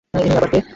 ইনি আবার কে?